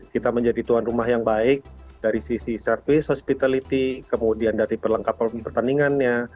kita menjadi tuan rumah yang baik dari sisi service hospitality kemudian dari perlengkapan pertandingannya